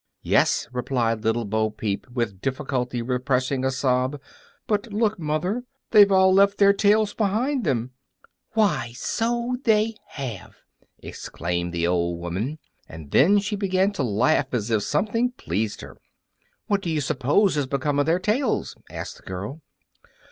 "Yes," replied Little Bo Peep, with difficulty repressing a sob; "but look, mother! They've all left their tails behind them!" "Why, so they have!" exclaimed the old woman; and then she began to laugh as if something pleased her. "What do you suppose has become of their tails?" asked the girl.